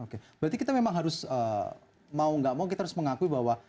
oke berarti kita memang harus mau nggak mau kita harus mengakui bahwa